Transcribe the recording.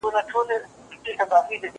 زه به سبا ليکلي پاڼي ترتيب کوم؟!